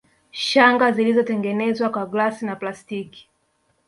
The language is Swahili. Shanga zilizotengenezwa kwa glasi na plastiki